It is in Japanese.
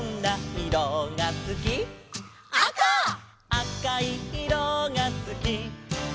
「あかいいろがすき」